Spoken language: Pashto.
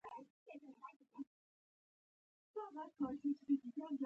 د قبیلو ځینو مشرانو ځواک برابر کړ.